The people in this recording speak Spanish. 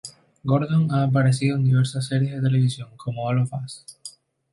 Gordon ha aparecido en diversas series de televisión, como "All of us".